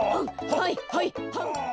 はいはいはんはん。